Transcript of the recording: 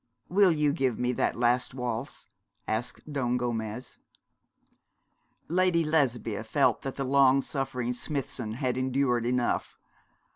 'Will you give me that last waltz?' asked Don Gomez. Lady Lesbia felt that the long suffering Smithson had endured enough.